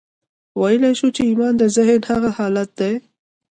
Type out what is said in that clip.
ويلای شو چې ايمان د ذهن هغه حالت دی.